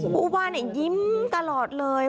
ผู้ว่ายิ้มตลอดเลย